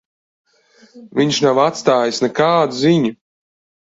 Viņš nav atstājis nekādu ziņu.